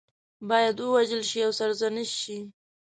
باید ووژل شي او سرزنش شي.